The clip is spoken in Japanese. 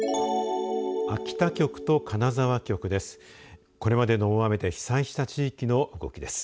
秋田局と金沢局です。